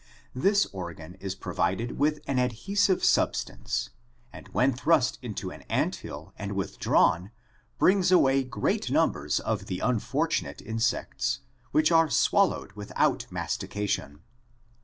This organ is provided with an adhesive substance and when thrust into an ant hill and withdrawn brings away great numbers of the unfortunate insects, which are swallowed without mastication.